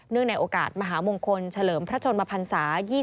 ในโอกาสมหามงคลเฉลิมพระชนมพันศา